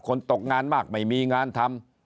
ตกงานมากไม่มีงานทำ